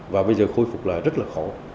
và bây giờ khôi phục lại rất là khó